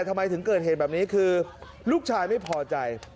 ทำไมถึงเกิดเหตุแบบนี้คือลูกชายไม่พอใจ